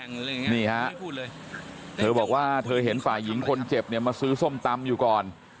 นี่ฮะเธอบอกว่าเธอเห็นฝ่ายหญิงคนเจ็บเนี่ยมาซื้อส้มตำอยู่ก่อน